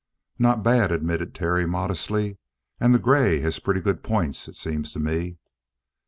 "Not bad," admitted Terry modestly. "And the gray has pretty good points, it seems to me."